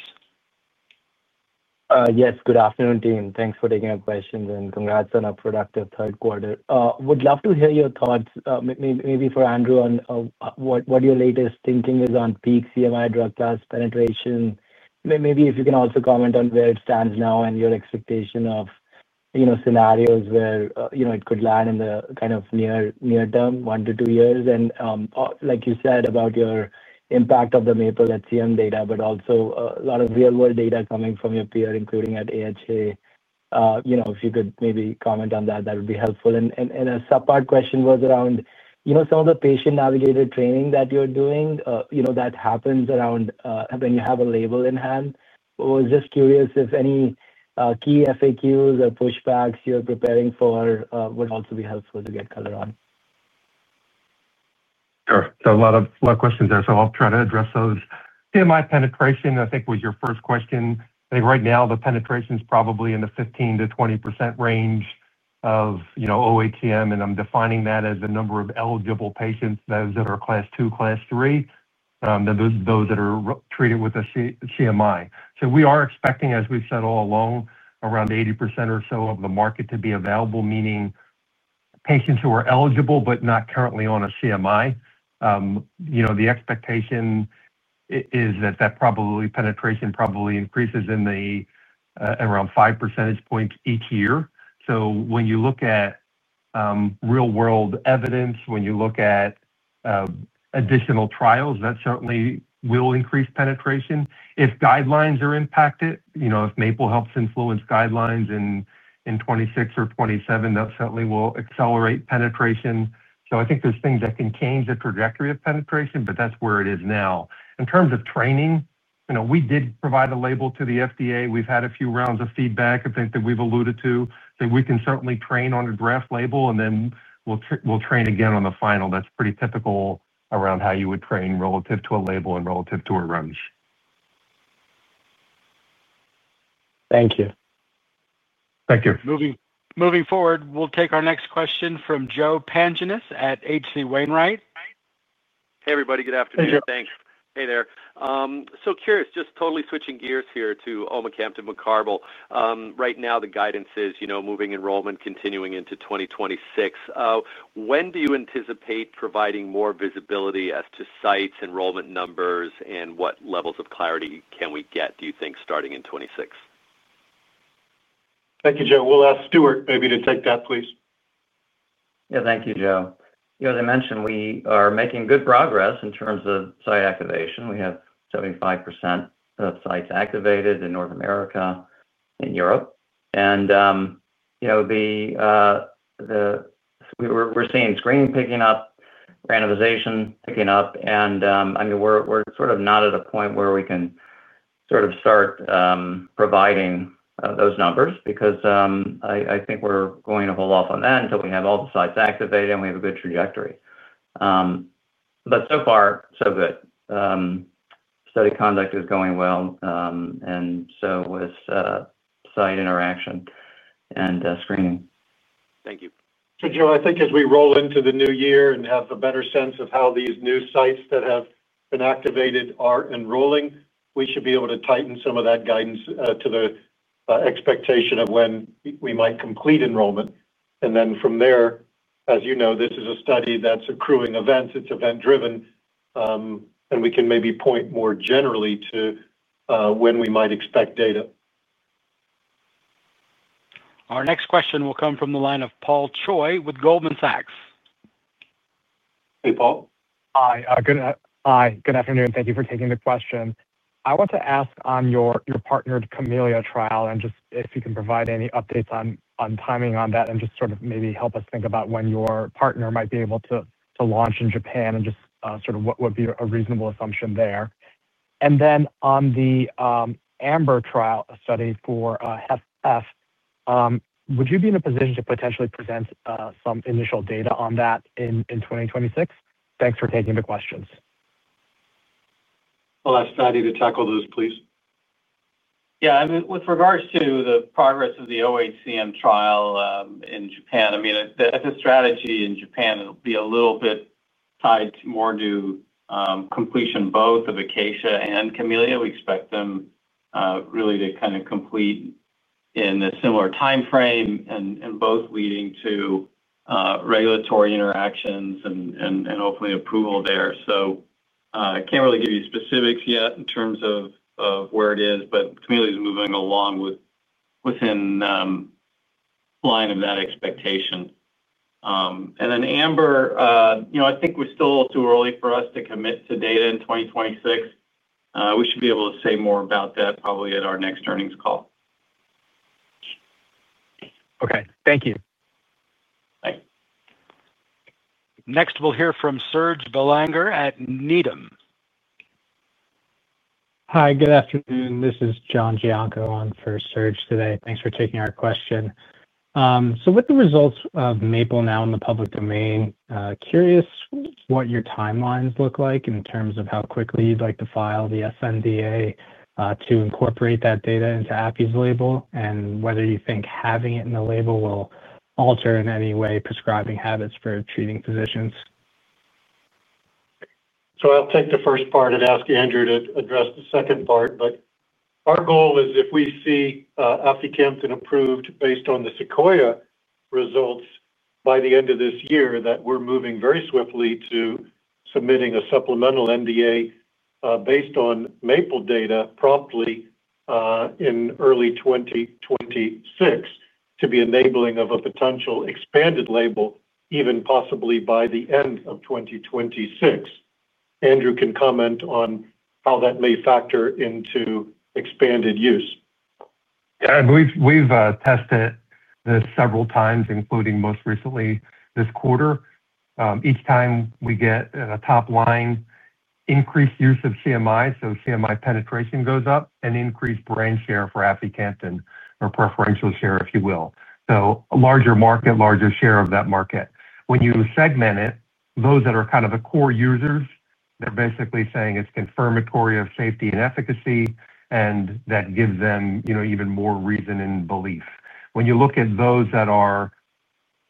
Yes. Good afternoon, team. Thanks for taking our questions and congrats on a productive third quarter. Would love to hear your thoughts, maybe for Andrew, on what your latest thinking is on peak CMI drug class penetration. Maybe if you can also comment on where it stands now and your expectation of scenarios where it could land in the kind of near-term, one to two years. Like you said about your impact of the MAPLE-HCM data, but also a lot of real-world data coming from your peer, including at AHA. If you could maybe comment on that, that would be helpful. A subpart question was around some of the patient-navigated training that you are doing, that happens around when you have a label in hand. I was just curious if any key FAQs or pushbacks you are preparing for would also be helpful to get color on. Sure. A lot of questions there. I'll try to address those. CMI penetration, I think, was your first question. I think right now the penetration is probably in the 15%-20% range of OHCM, and I'm defining that as the number of eligible patients, those that are class two, class three, those that are treated with a CMI. We are expecting, as we've said all along, around 80% or so of the market to be available, meaning patients who are eligible but not currently on a CMI. The expectation is that that penetration probably increases in around five percentage points each year. When you look at real-world evidence, when you look at additional trials, that certainly will increase penetration. If guidelines are impacted, if MAPLE helps influence guidelines in 2026 or 2027, that certainly will accelerate penetration. I think there's things that can change the trajectory of penetration, but that's where it is now. In terms of training, we did provide a label to the FDA. We've had a few rounds of feedback, I think, that we've alluded to. We can certainly train on a draft label, and then we'll train again on the final. That's pretty typical around how you would train relative to a label and relative to a REMS. Thank you. Thank you. Moving forward, we'll take our next question from Joe Pantginis at H.C. Wainwright. Hey, everybody. Good afternoon. Thanks. Hey there. Curious, just totally switching gears here to omecamtiv mecarbil. Right now, the guidance is moving enrollment, continuing into 2026. When do you anticipate providing more visibility as to sites, enrollment numbers, and what levels of clarity can we get, do you think, starting in 2026? Thank you, Joe. We'll ask Stuart maybe to take that, please. Yeah. Thank you, Joe. As I mentioned, we are making good progress in terms of site activation. We have 75% of sites activated in North America and Europe. We are seeing screening picking up, randomization picking up. I mean, we're sort of not at a point where we can sort of start providing those numbers because I think we're going to hold off on that until we have all the sites activated and we have a good trajectory. But so far, so good. Study conduct is going well. With site interaction and screening. Thank you. Joe, I think as we roll into the new year and have a better sense of how these new sites that have been activated are enrolling, we should be able to tighten some of that guidance to the expectation of when we might complete enrollment. From there, as you know, this is a study that's accruing events. It's event-driven. We can maybe point more generally to when we might expect data. Our next question will come from the line of Paul Choi with Goldman Sachs. Hey, Paul. Hi. Good afternoon. Thank you for taking the question. I want to ask on your partnered CAMELLIA trial and just if you can provide any updates on timing on that and just sort of maybe help us think about when your partner might be able to launch in Japan and just sort of what would be a reasonable assumption there. Then on the AMBER trial study for HFpEF, would you be in a position to potentially present some initial data on that in 2026? Thanks for taking the questions. I'll ask Fady to tackle those, please. Yeah. I mean, with regards to the progress of the OHCM trial in Japan, I mean, the strategy in Japan will be a little bit tied more to completion both of ACACIA and CAMELLIA. We expect them really to kind of complete in a similar timeframe and both leading to regulatory interactions and hopefully approval there. So I can't really give you specifics yet in terms of where it is, but CAMELLIA is moving along within line of that expectation. And then AMBER, I think we're still too early for us to commit to data in 2026. We should be able to say more about that probably at our next earnings call. Okay. Thank you. Thanks. Next, we'll hear from Serge Belangar at Needham. Hi. Good afternoon. This is John Gianco on for Serge today. Thanks for taking our question. With the results of MAPLE now in the public domain, curious what your timelines look like in terms of how quickly you'd like to file the sNDA to incorporate that data into Afi's label and whether you think having it in the label will alter in any way prescribing habits for treating physicians. I'll take the first part and ask Andrew to address the second part. Our goal is if we see aficamten approved based on the SEQUOIA results by the end of this year that we're moving very swiftly to submitting a supplemental NDA based on MAPLE data promptly. In early 2026 to be enabling of a potential expanded label even possibly by the end of 2026. Andrew can comment on how that may factor into expanded use. Yeah. We've tested this several times, including most recently this quarter. Each time we get a top line, increased use of CMI, so CMI penetration goes up, and increased brand share for aficamten or preferential share, if you will. So larger market, larger share of that market. When you segment it, those that are kind of the core users, they're basically saying it's confirmatory of safety and efficacy, and that gives them even more reason and belief. When you look at those that are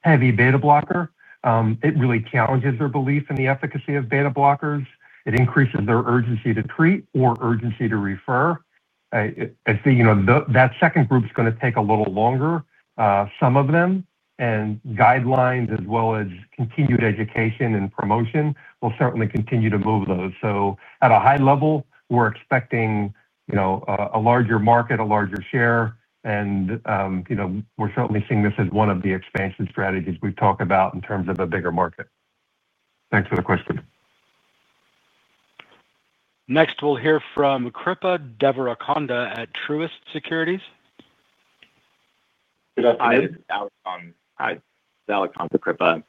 heavy beta blocker, it really challenges their belief in the efficacy of beta blockers. It increases their urgency to treat or urgency to refer. I think that second group's going to take a little longer, some of them, and guidelines as well as continued education and promotion will certainly continue to move those. At a high level, we're expecting. A larger market, a larger share, and we are certainly seeing this as one of the expansion strategies we talk about in terms of a bigger market. Thanks for the question. Next, we'll hear from Kripa Devarikonda at Truist Securities. Good afternoon. Hi. This is Alex on for Kripa.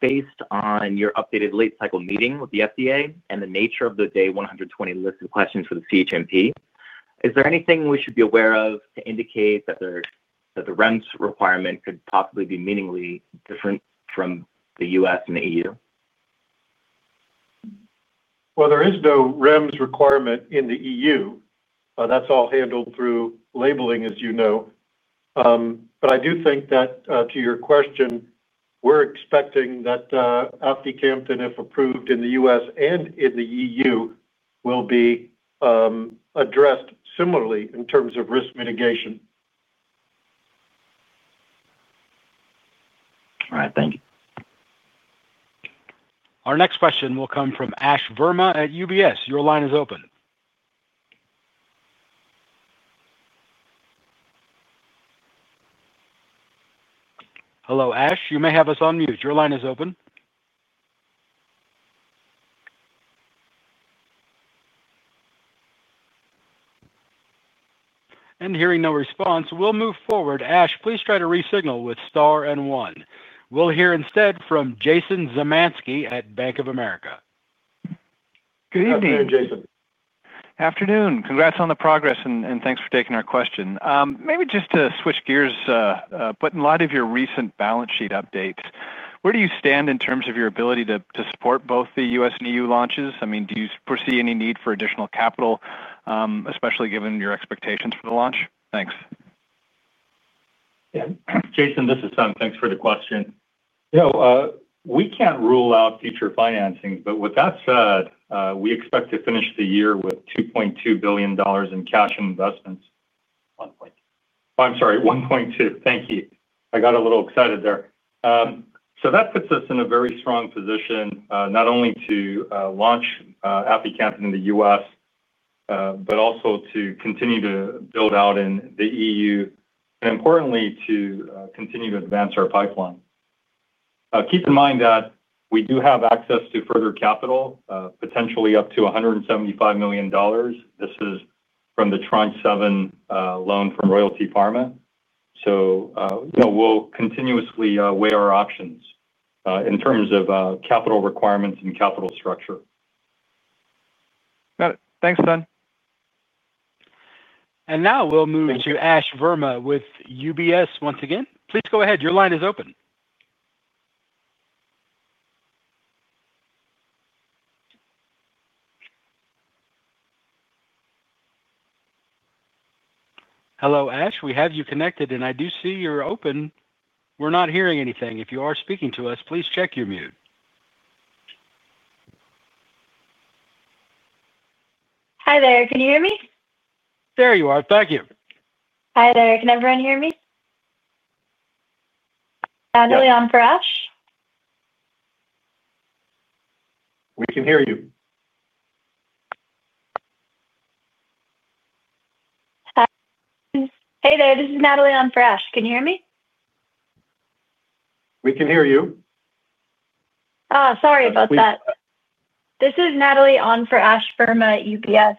Based on your updated late cycle meeting with the FDA and the nature of the day 120 listed questions for the CHMP, is there anything we should be aware of to indicate that the REMS requirement could possibly be meaningfully different from the U.S. and the EU? There is no REMS requirement in the EU. That's all handled through labeling, as you know. I do think that to your question, we're expecting that aficamten, if approved in the U.S. and in the EU, will be addressed similarly in terms of risk mitigation. All right. Thank you. Our next question will come from Ash Verma at UBS. Your line is open. Hello, Ash. You may have us on mute. Your line is open. Hearing no response, we will move forward. Ash, please try to resignal with star and one. we will hear instead from Jason Zemansky at Bank of America. Good evening. Hi there, Jason. Aftenoon. Congrats on the progress, and thanks for taking our question. Maybe just to switch gears, but in light of your recent balance sheet update, where do you stand in terms of your ability to support both the U.S. and EU launches? I mean, do you foresee any need for additional capital, especially given your expectations for the launch? Thanks. Yeah. Jason, this is Sung. Thanks for the question. You know, we can't rule out future financing, but with that said, we expect to finish the year with $2.2 billion in cash and investments. $1.2 billion. I'm sorry, $1.2. Thank you. I got a little excited there. That puts us in a very strong position not only to launch aficamten in the U.S. but also to continue to build out in the EU, and importantly, to continue to advance our pipeline. Keep in mind that we do have access to further capital, potentially up to $175 million. This is from the Tri-Seven loan from Royalty Pharma. We will continuously weigh our options in terms of capital requirements and capital structure. Got it. Thanks, Sung. Now we'll move to Ash Verma with UBS once again. Please go ahead. Your line is open. Hello, Ash. We have you connected, and I do see you're open. We're not hearing anything. If you are speaking to us, please check your mute. Hi there. Can you hear me? There you are. Thank you. Hi there. Can everyone hear me? Natalie on for Ash. We can hear you. Hey there. This is Natalie on for Ash. Can you hear me? We can hear you. Oh, sorry about that. This is Natalie on for Ash Verma at UBS.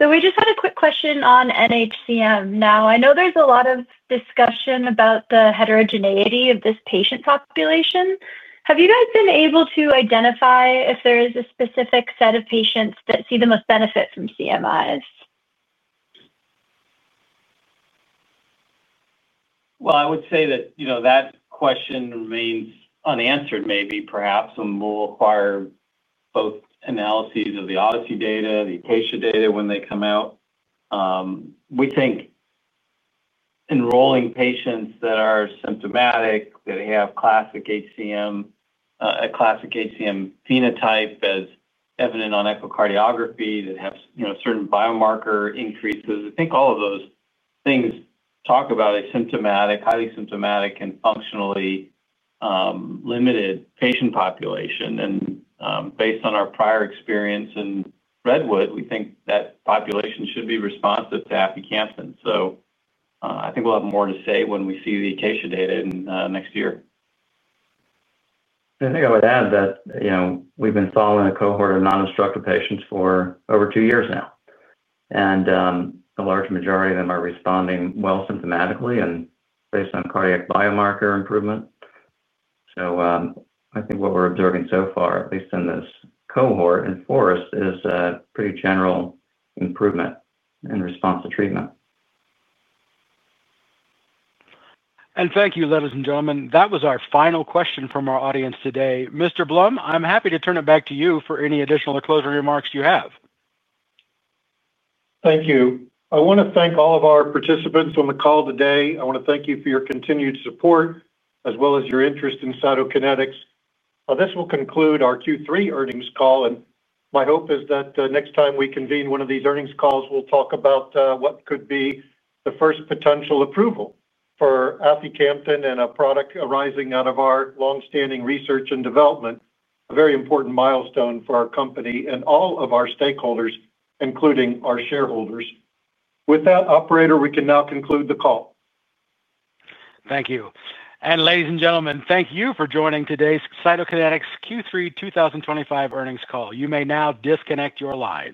We just had a quick question on nHCM. Now, I know there's a lot of discussion about the heterogeneity of this patient population. Have you guys been able to identify if there is a specific set of patients that see the most benefit from CMIs? I would say that that question remains unanswered maybe, perhaps, and will require both analyses of the ODYSSEY data, the ACACIA data when they come out. We think enrolling patients that are symptomatic, that have classic HCM phenotype as evident on echocardiography, that have certain biomarker increases. I think all of those things talk about a symptomatic, highly symptomatic, and functionally limited patient population. Based on our prior experience in REDWOOD, we think that population should be responsive to aficamten. I think we'll have more to say when we see the ACACIA data next year. I think I would add that we've been following a cohort of non-obstructive patients for over two years now. The large majority of them are responding well symptomatically and based on cardiac biomarker improvement. I think what we're observing so far, at least in this cohort in FOREST, is pretty general improvement in response to treatment. Thank you, ladies and gentlemen. That was our final question from our audience today. Mr. Blum, I'm happy to turn it back to you for any additional closing remarks you have. Thank you. I want to thank all of our participants on the call today. I want to thank you for your continued support as well as your interest in Cytokinetics. This will conclude our Q3 earnings call. My hope is that next time we convene one of these earnings calls, we'll talk about what could be the first potential approval for aficamten and a product arising out of our long-standing research and development, a very important milestone for our company and all of our stakeholders, including our shareholders. With that, operator, we can now conclude the call. Thank you. Ladies and gentlemen, thank you for joining today's Cytokinetics Q3 2025 earnings call. You may now disconnect your lines.